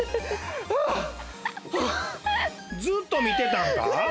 ずっと見てたんか？